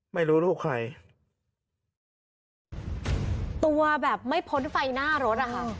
ไม่รู้ลูกใครตัวแบบไม่พ้นไฟหน้ารถอ่ะค่ะ